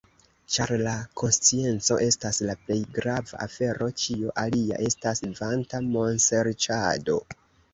Ĉar la konscienco estas la plej grava afero, ĉio alia estas vanta monserĉado.